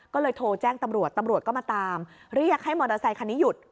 ก็เลยโทรแจ้งตำรวจตำรวจก็มาตามเรียกให้มอเตอร์ไซคันนี้หยุด